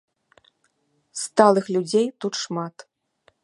Сталых людзей тут шмат.